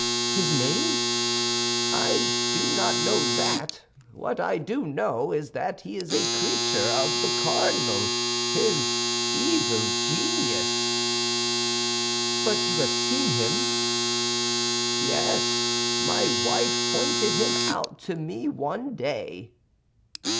"His name?" "I do not know that; what I do know is that he is a creature of the cardinal, his evil genius." "But you have seen him?" "Yes, my wife pointed him out to me one day."